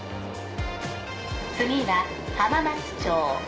次は浜松町。